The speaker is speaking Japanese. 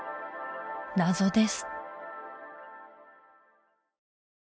謎です